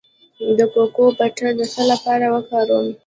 د کوکو بټر د څه لپاره وکاروم؟